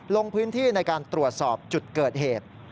ลงพื้นที่ในการตรวจสอบจุดเกิดเหตุ